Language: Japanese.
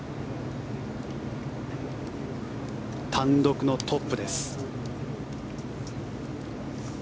単独のトップです。